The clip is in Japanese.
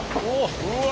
うわ！